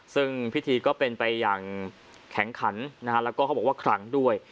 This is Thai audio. ซึ่งพิธีก็เป็นไปอย่างแข็งขันนะฮะแล้วก็เขาบอกว่าครั้งด้วย